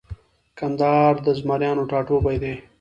کندهار د زمریانو ټاټوبۍ دی